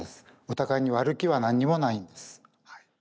お互いに悪気は何にもないんです。